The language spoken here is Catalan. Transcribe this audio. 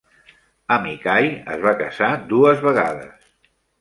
Amichai es va casar dues vegades.